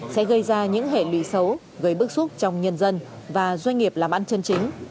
sẽ gây ra những hệ lụy xấu gây bức xúc trong nhân dân và doanh nghiệp làm ăn chân chính